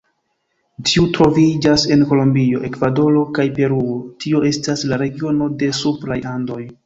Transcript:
Tiu troviĝas en Kolombio, Ekvadoro kaj Peruo, tio estas la regiono de supraj Andoj.